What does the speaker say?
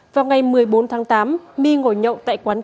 vào ngày một mươi bốn tháng tám my ngồi nhậu tại quán